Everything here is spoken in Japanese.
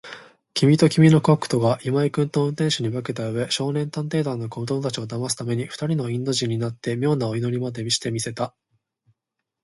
きみときみのコックとが、今井君と運転手に化けたうえ、少年探偵団の子どもたちをだますために、ふたりのインド人になって、みょうなお祈りまでして見せた。